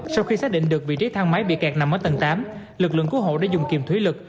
sau khi xác định được vị trí thang máy bị kẹt nằm ở tầng tám lực lượng cứu hộ đã dùng kìm thủy lực